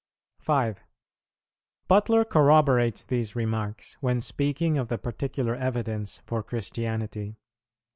5. Butler corroborates these remarks, when speaking of the particular evidence for Christianity.